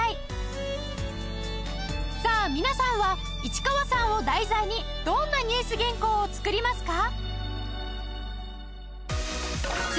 さあ皆さんは市川さんを題材にどんなニュース原稿を作りますか？